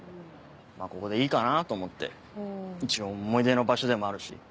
ここでいいかなと思って一応思い出の場所でもあるし。